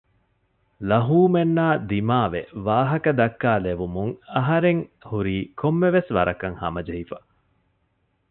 ލަހޫމެންނާ ދިމާވެ ވާހަކަދައްކާލެވުމުން އަހަރެން ހުރީ ކޮންމެސްވަރަކަށް ހަމަޖެހިފަ